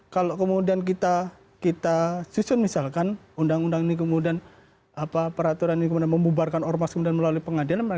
kalau kemudian kita susun misalkan undang undang ini kemudian peraturan ini kemudian membubarkan ormas kemudian melalui pengadilan